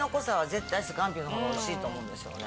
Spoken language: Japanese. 絶対スカンピの方がおいしいと思うんですよね。